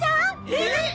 えっ！？